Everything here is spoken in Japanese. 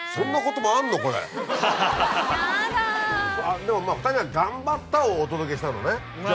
でもまぁ２人は頑張ったをお届けしたのね。